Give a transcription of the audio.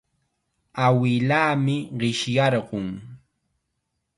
Awilaami qishyarqun.